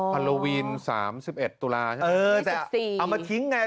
ฮาโลวีน๓๑ตุลาใช่ไหมเออแต่เอามาทิ้งไง